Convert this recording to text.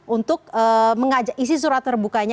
untuk mengajak isi surat terbukanya